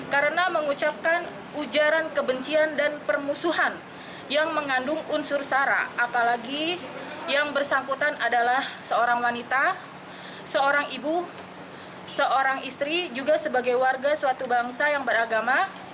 karena mengucapkan ujaran kebencian dan permusuhan yang mengandung unsur sara apalagi yang bersangkutan adalah seorang wanita seorang ibu seorang istri juga sebagai warga suatu bangsa yang beragama